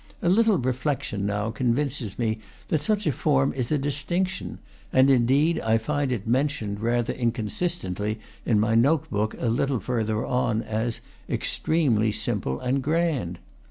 A little reflection now convinces me that such a form is a distinction; and, indeed, I find it mentioned, rather inconsistently, in my note book, a little further on, as "extremely simple and grand."